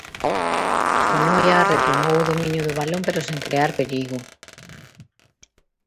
O Noia retomou o dominio do balón pero sen crear perigo.